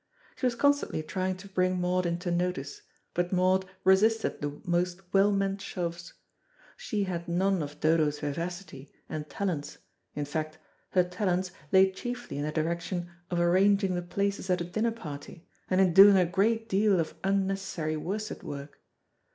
She was constantly trying to bring Maud into notice, but Maud resisted the most well meant shoves. She had none of Dodo's vivacity and talents; in fact, her talents lay chiefly in the direction of arranging the places at a dinner party, and in doing a great deal of unnecessary worsted work.